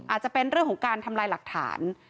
อาจจะเป็นเรื่องของการทำลายหลักฐาน